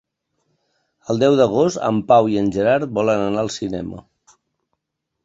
El deu d'agost en Pau i en Gerard volen anar al cinema.